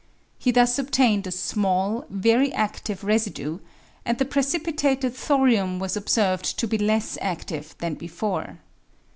He thus obtained a small very adive residue, and the precipitated thorium was observed to be less adive than before.